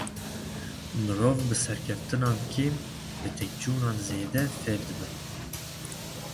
Mirov bi serkeftinan kêm, bi têkçûnan zêde fêr dibe.